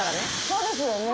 そうですよね？